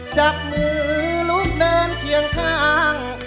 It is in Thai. จับมือลุกเดินเคียงข้าง